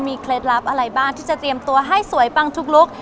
เคล็ดลับอะไรบ้างที่จะเตรียมตัวให้สวยปังทุกลุค